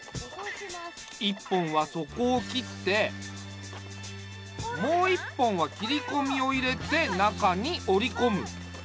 一本はそこを切ってもう一本は切りこみを入れて中におりこむ。